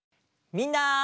みんな！